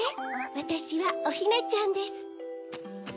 わたしはおひなちゃんです。